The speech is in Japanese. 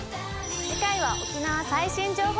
次回は沖縄最新情報